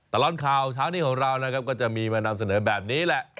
ตลอดข่าวเช้านี้ของเรานะครับก็จะมีมานำเสนอแบบนี้แหละ